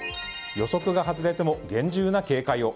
予測が外れても厳重な警戒を。